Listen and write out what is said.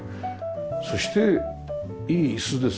そしていい椅子です